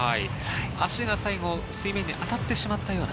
足が最後水面に当たってしまったような。